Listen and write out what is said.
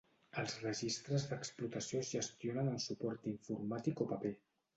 Els registres d'explotació es gestionen en suport informàtic o paper.